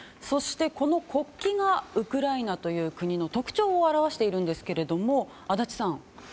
この国旗がウクライナという国の特徴を表しているんですけれども足立さん